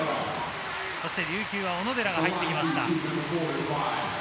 そして琉球は小野寺が入ってきました。